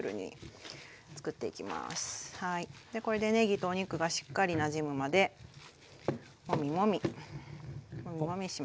これでねぎとお肉がしっかりなじむまでモミモミモミモミしますね。